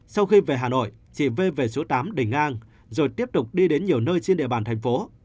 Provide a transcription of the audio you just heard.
sau khi về hà nội chị v về số tám đình ngang rồi tiếp tục đi đến nhiều nơi trên địa bàn thành phố